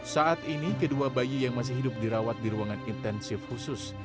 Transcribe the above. saat ini kedua bayi yang masih hidup dirawat di ruangan intensif khusus